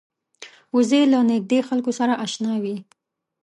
وزې له نږدې خلکو سره اشنا وي